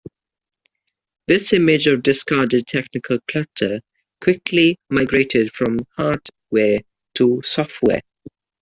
This image of "discarded technical clutter" quickly migrated from hardware to software.